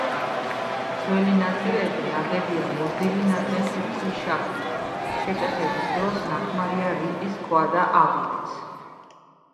ძველი ნაწილები ნაგებია მოზრდილი ნატეხი ქვიშაქვით, შეკეთების დროს ნახმარია რიყის ქვა და აგურიც.